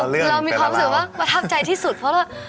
เรามีความรู้สึกว่าประทับใจที่สุดเพราะว่า